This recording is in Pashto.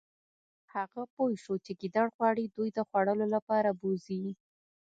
هغه پوه شو چې ګیدړ غواړي دوی د خوړلو لپاره بوزي